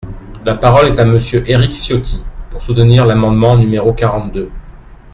La parole est à Monsieur Éric Ciotti, pour soutenir l’amendement numéro quarante-deux.